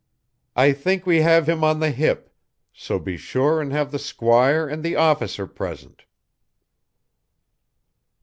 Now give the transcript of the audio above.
I think we have him on the hip, so be sure and have the squire and the officer present."